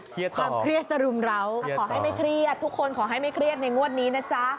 ความเครียดจะรุมเราขอให้ไม่เครียดทุกคนขอให้ไม่เครียดในงวดนี้นะจ๊ะ